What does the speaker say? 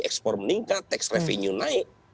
ekspor meningkat tax revenue naik